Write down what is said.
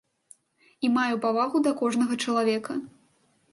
І маю павагу да кожнага чалавека.